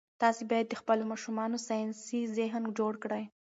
تاسي باید د خپلو ماشومانو ساینسي ذهن جوړ کړئ.